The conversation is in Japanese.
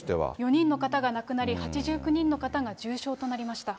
４人の方が亡くなり、８９人の方が重症となりました。